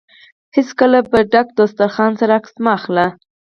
هېڅکله په ډک دوسترخان سره عکس مه اخله.